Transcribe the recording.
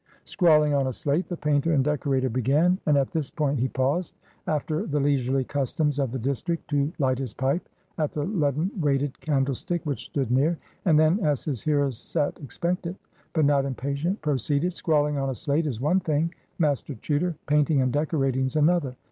"Scrawling on a slate," the painter and decorator began—and at this point he paused, after the leisurely customs of the district, to light his pipe at the leaden weighted candlestick which stood near; and then, as his hearers sat expectant, but not impatient, proceeded: "Scrawling on a slate is one thing, Master Chuter: painting and decorating's another.